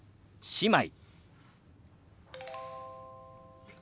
姉妹。